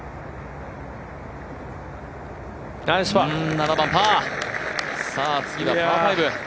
７番パー、次はパー５。